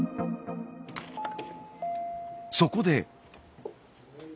そこで。